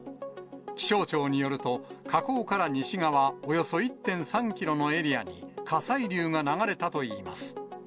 気象庁によると、火口から西側およそ１．３キロのエリアに、火砕流が流れたといいます。